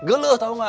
geluh tau gak